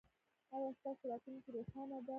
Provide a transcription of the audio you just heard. ایا ستاسو راتلونکې روښانه ده؟